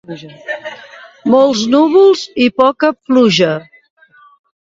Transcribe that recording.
Molts núvols i poca pluja.